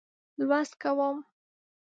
لوست کوم.